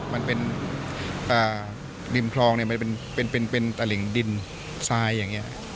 มันเป็นริมคลองเนี่ยมันเป็นตลิ่งดินทรายอย่างนี้